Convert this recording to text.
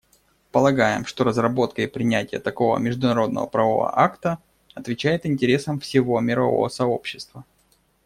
Полагаем, что разработка и принятие такого международно-правового акта отвечает интересам всего мирового сообщества.